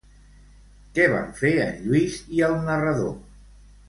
Què van fer en Lluís i el narrador?